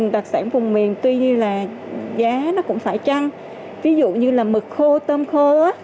đặc sản vùng miền tuy như là giá nó cũng phải trăng ví dụ như là mực khô tôm khô